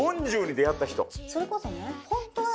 それこそね。